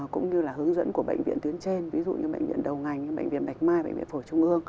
cũng như là hướng dẫn của bệnh viện tuyến trên ví dụ như bệnh viện đầu ngành như bệnh viện bạch mai bệnh viện phổi trung ương